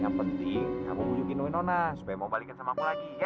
yang penting kamu pujukin winona supaya mau balikin sama aku lagi ya